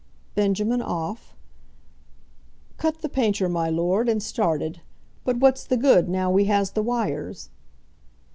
"Benjamin off?" "Cut the painter, my lord, and started. But what's the good, now we has the wires?"